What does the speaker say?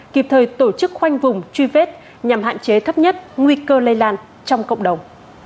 kịp thời tổ chức khoanh vùng truy vết nhằm hạn chế thấp nhất nguy cơ lây lan trong cộng đồng